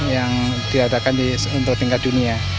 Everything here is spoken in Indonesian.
yang diadakan untuk tingkat dunia